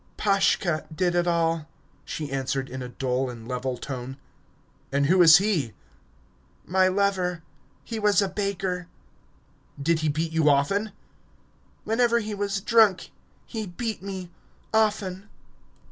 "Pashka did it all," she answered in a dull and level tone. "And who is he?" "My lover... He was a baker." "Did he beat you often?" "Whenever he was drunk he beat me... Often!"